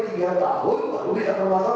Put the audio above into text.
belum puluh dulu